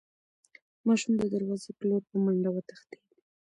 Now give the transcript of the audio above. ماشوم د دروازې په لور په منډه وتښتېد.